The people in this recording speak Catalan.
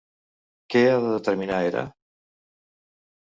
Què ha de determinar Hera?